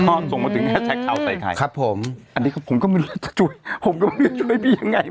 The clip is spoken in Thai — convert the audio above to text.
แล้วก็ส่งมาถึงแอดแชคเช้าใส่ไข่ครับผมผมก็ไม่รู้จะช่วยพี่ยังไงเหมือนกัน